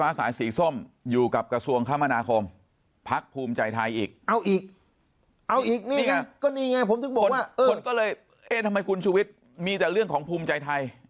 คนก็เลยเอ๊ะทำไมคุณชุวิตมีแต่เรื่องของภูมิใจไทย